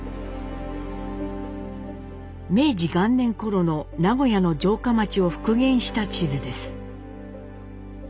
明治元年ころの名古屋の城下町を復元した地図です。